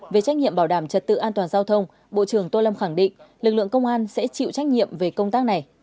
về trách nhiệm bảo đảm trật tự an toàn giao thông bộ trưởng tô lâm khẳng định lực lượng công an sẽ chịu trách nhiệm về công tác này